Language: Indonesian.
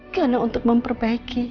karena untuk memperbaiki